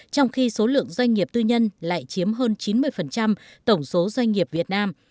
trong khi số lượng doanh nghiệp tư nhân lại chiếm hơn chín mươi tổng số doanh nghiệp việt nam